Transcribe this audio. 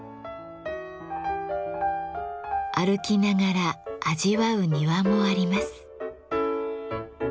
歩きながら味わう庭もあります。